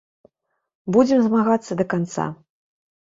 Будзем змагацца да канца.